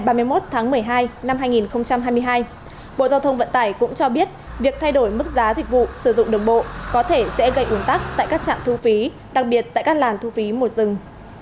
bộ giao thông vận tải cũng cho biết việc thay đổi mức giá dịch vụ sử dụng đường bộ có thể sẽ gây ủn tắc tại các trạm thu phí đặc biệt tại các làn thu phí một dừng